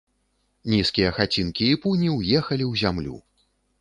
Нізкія хацінкі і пуні ўехалі ў зямлю.